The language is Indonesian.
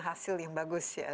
hasil yang bagus ya